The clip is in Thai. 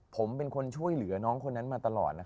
ผมเป็นคนช่วยเหลือน้องคนนั้นมาตลอด